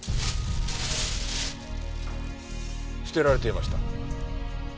捨てられていました。